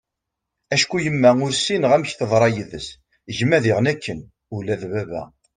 acku yemma ur ssineγ amek teḍṛa yid-s, gma diγen akken, ula d baba